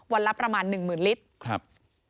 ละประมาณหนึ่งหมื่นลิตรครับ